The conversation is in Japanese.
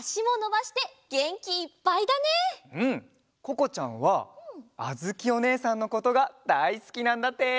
ここちゃんはあづきおねえさんのことがだいすきなんだって！